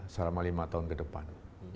selama lima tahun ke depan